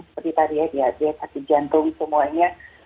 seperti tadi ya dia kasih jantung semuanya